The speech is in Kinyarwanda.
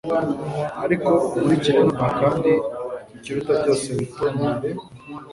Ariko unkurikire nonaha kandi ikiruta byose witondere